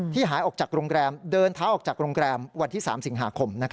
หายออกจากโรงแรมเดินเท้าออกจากโรงแรมวันที่๓สิงหาคม